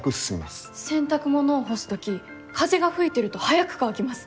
洗濯物を干す時風が吹いてると早く乾きます。